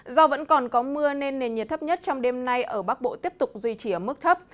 do vẫn còn có mưa nên nền nhiệt thấp nhất trong đêm nay ở bắc bộ tiếp tục duy trì ở mức thấp